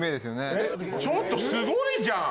ちょっとすごいじゃん。